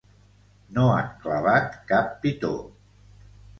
No han clavat cap pitó.